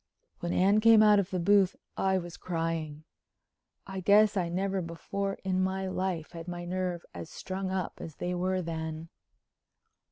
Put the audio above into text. When Anne came out of the booth I was crying. I guess I never before in my life had my nerves as strung up as they were then.